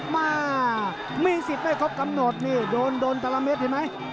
มามีสิทธิ์ได้ครบกำหนดนี่โดนโดนแต่ละเม็ดเห็นไหม